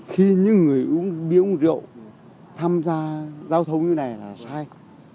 khi những người uống bia uống rượu tham gia giao thông như này là sai